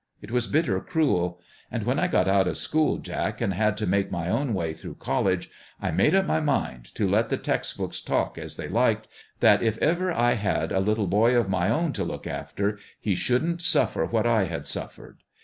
It was bitter cruel. And when I got out of school, Jack, and had to make my own way through college, I made up my mind, let the text books talk as they liked, that if ever I had a little boy of my own to look after, he shouldn't suffer what I had suffered.